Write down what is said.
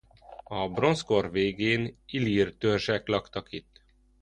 A bronzkor végén illír törzsek laktak itt.